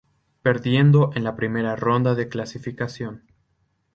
Perdiendo en la primera ronda de clasificación.